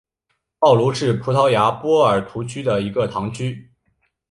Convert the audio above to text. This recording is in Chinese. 奥卢是葡萄牙波尔图区的一个堂区。